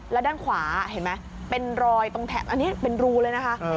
แล้วด้านขวาเห็นไหมเป็นรอยตรงแถบอันนี้เป็นรูเลยนะคะ